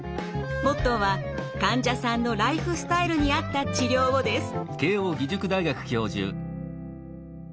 モットーは「患者さんのライフスタイルに合った治療を」です。